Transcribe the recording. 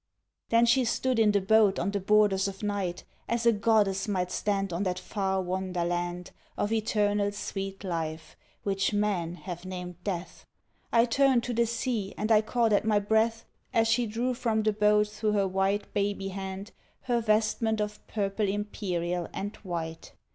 Then she stood in the boat on the borders of night As a goddess might stand on that far wonder land Of eternal sweet life, which men have named Death. I turned to the sea and I caught at my breath, As she drew from the boat through her white baby hand Her vestment of purple imperial, and white.